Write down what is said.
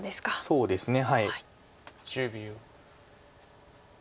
そうですね。